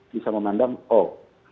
bisa memandang oh